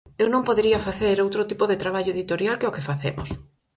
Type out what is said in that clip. Eu non podería facer outro tipo de traballo editorial que o que facemos.